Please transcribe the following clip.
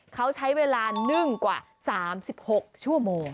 เขาใช้เวลานึ่งกว่า๓๖ชั่วโมง